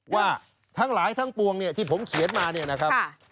ว่าทั้งหลายทั้งปวงเนี่ยที่ผมเขียนมาเนี่ยนะครับ